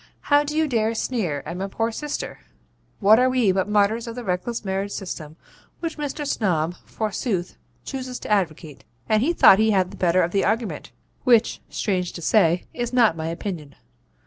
How do you dare sneer at my poor sister? What are we but martyrs of the reckless marriage system which Mr. Snob, forsooth, chooses to advocate?' And he thought he had the better of the argument, which, strange to say, is not my opinion.